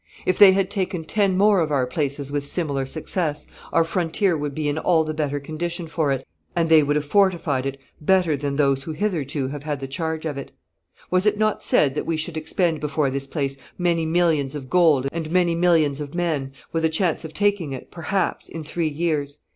If they had taken ten more of our places with similar success, our frontier would be in all the better condition for it, and they would have fortified it better than those who hitherto have had the charge of it. ... Was it not said that we should expend before this place many millions of gold and many millions of men with a chance of taking it, perhaps, in three years?